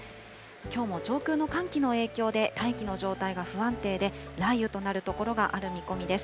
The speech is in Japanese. きょうも上空の寒気の影響で、大気の状態が不安定で、雷雨となる所がある見込みです。